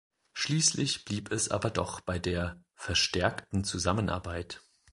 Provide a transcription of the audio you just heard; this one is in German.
Schließlich blieb es aber doch bei der "verstärkten Zusammenarbeit".